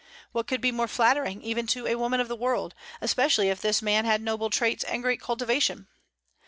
What could be more flattering even to a woman of the world, especially if this man had noble traits and great cultivation?